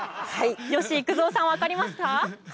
吉幾三さん、分かりましたか。